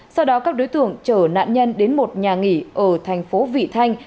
sau đó các đối tượng chở nạn nhân đến một nhà nghỉ ở tp vị thanh